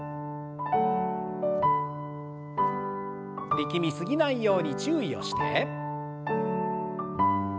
力み過ぎないように注意をして。